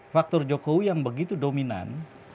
faktor jokowi yang begitu dominan